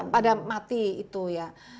pada mati itu ya